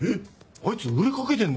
あいつ売れかけてんのか？